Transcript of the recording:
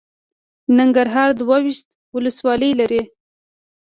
ننګرهار دوه ویشت ولسوالۍ لري.